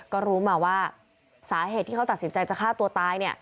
ก็รู้มาว่าสาเหตุที่เขาตัดสินใจจะฆ่าตัวตาย